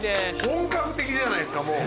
本格的じゃないですかもう。